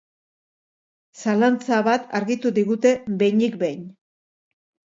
Zalantza bat argitu digute behinik behin.